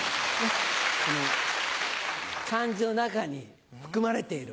漢字の中に含まれている